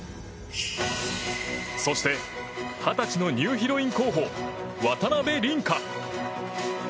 そして、二十歳のニューヒロイン候補、渡辺倫果。